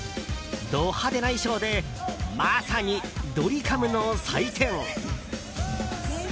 ド派手な衣装でまさにドリカムの祭典！